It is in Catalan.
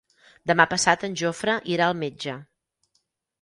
Demà passat en Jofre irà al metge.